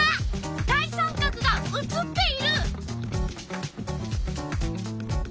大三角が写っている！